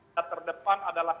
yang terdepan adalah